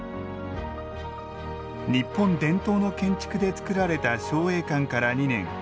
日本伝統の建築で造られた彰栄館から２年。